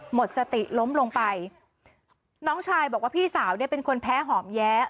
หมดสติล้มลงไปน้องชายบอกว่าพี่สาวเนี่ยเป็นคนแพ้หอมแย้